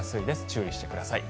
注意してください。